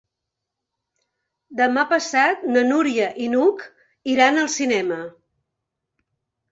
Demà passat na Núria i n'Hug iran al cinema.